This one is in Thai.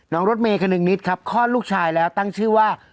รถเมย์คนนึงนิดครับคลอดลูกชายแล้วตั้งชื่อว่า